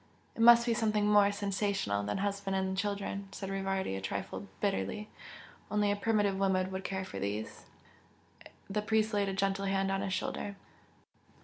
"It must be something more 'sensational' than husband and children!" said Rivardi a trifle bitterly "Only a primitive woman will care for these!" The priest laid a gentle hand on his shoulder.